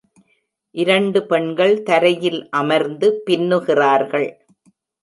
இரண்டு பெண்கள் தரையில் அமர்ந்து பின்னுகிறார்கள்.